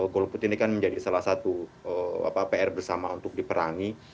golput ini kan menjadi salah satu pr bersama untuk diperangi